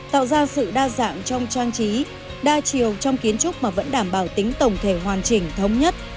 tạo ra sự đa dạng trong trang trí đa chiều trong kiến trúc mà vẫn đảm bảo tính tổng thể hoàn chỉnh thống nhất